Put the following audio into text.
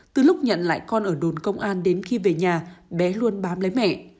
từ lúc nhận lại con ở đồn công an đến khi về nhà bé luôn bám lấy mẹ